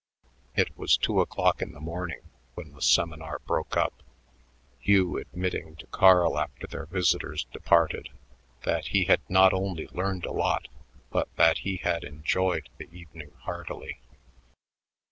It was two o'clock in the morning when the seminar broke up, Hugh admitting to Carl after their visitors departed that he had not only learned a lot but that he had enjoyed the evening heartily.